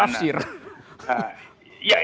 dan posisi kita di mana